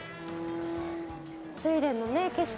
スイレンの景色